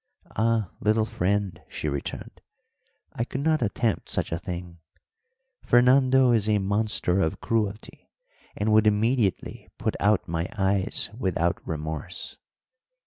"Ah, little friend," she returned. "I could not attempt such a thing. Fernando is a monster of cruelty, and would immediately put out my eyes without remorse.